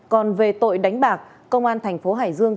còn về tội đánh bạc công an thành phố hải dương